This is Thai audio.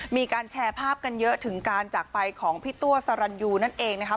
มีการแชร์ภาพกันเยอะถึงการจากไปของพี่ตัวสรรยูนั่นเองนะคะ